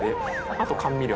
「あと甘味料。